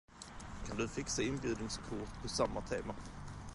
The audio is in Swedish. Kan du fixa inbjudningskort på samma tema?